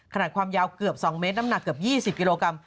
ขนาดความยาวเกือบ๒เมตรน้ำหนักเกือบ๒๐กิโลกรัม